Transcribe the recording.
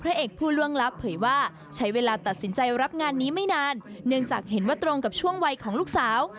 เอกผู้ล่วงลับเผยว่าใช้เวลาตัดสินใจรับงานนี้ไม่นานเนื่องจากเห็นว่าตรงกับช่วงวัยของลูกสาว